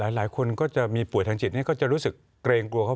หลายคนก็จะมีป่วยทางจิตก็จะรู้สึกเกรงกลัวเขา